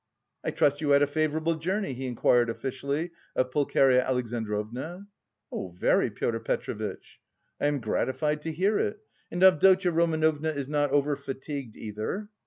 "I trust you had a favourable journey," he inquired officially of Pulcheria Alexandrovna. "Oh, very, Pyotr Petrovitch." "I am gratified to hear it. And Avdotya Romanovna is not over fatigued either?"